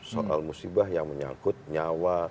soal musibah yang menyangkut nyawa